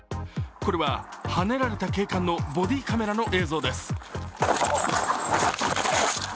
これは、はねられた警官のボディーカメラの映像です。